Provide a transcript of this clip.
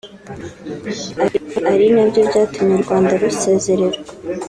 ari nabyo byatumye u Rwanda rusezererwa